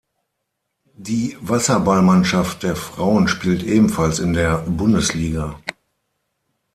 Die Wasserballmannschaft der Frauen spielt ebenfalls in der Bundesliga.